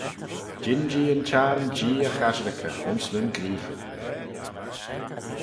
Jean-jee yn Çhiarn Jee y chasherickey ayns nyn greeaghyn.